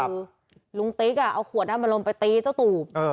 อาทิตย์เอาขวดนี้มาลงไปตีเจ้าตู่ป